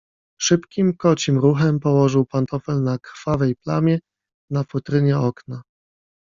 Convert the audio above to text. "Szybkim, kocim ruchem położył pantofel na krwawej plamie na futrynie okna."